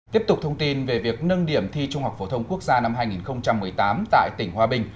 tiếp tục thông tin về việc nâng điểm thi trung học phổ thông quốc gia năm hai nghìn một mươi tám tại tỉnh hòa bình